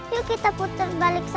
yuk kita putar balik saja